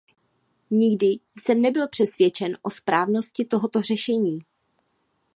Nikdy jsem nebyl přesvědčen o správnosti tohoto řešení.